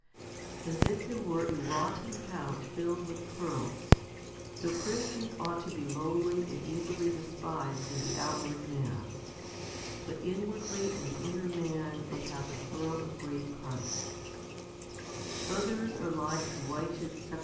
As if there were a rotten pouch filled with pearls, so Christians ought to be lowly and easily despised in the outward man, but inwardly in the inner man they have the pearl of great price* Others are like to whited sepulchres, 1 Ps.